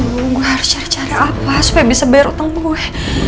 gue harus cari cari apa supaya bisa bayar hutang gue